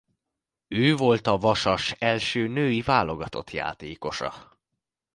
Ő volt a Vasas első női válogatott játékosa.